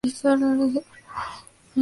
La reacción fue igualmente espectacular.